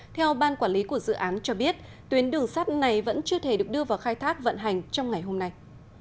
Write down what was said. theo ban quản lý của dự án cho biết tuyến đường sắt này vẫn chưa thể được đưa vào khai thác vận hành trong ngày hôm nay